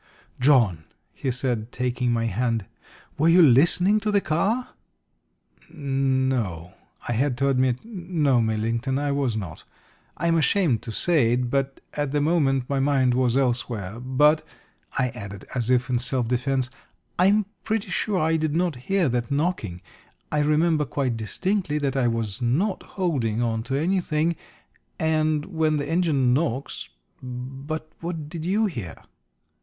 "John," he said, taking my hand, "were you listening to the car?" "No," I had to admit. "No, Millington, I was not. I am ashamed to say it, but at the moment my mind was elsewhere. But," I added, as if in self defence, "I am pretty sure I did not hear that knocking. I remember quite distinctly that I was not holding on to anything, and when the engine knocks But what did you hear?"